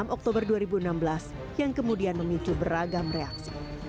enam oktober dua ribu enam belas yang kemudian memicu beragam reaksi